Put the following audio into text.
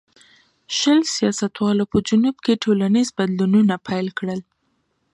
شل سیاستوالو په جنوب کې ټولنیز بدلونونه پیل کړل.